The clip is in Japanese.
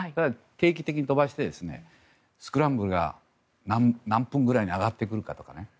定期的に飛ばしてスクランブルが何分ぐらいに上がってくるかとかですね。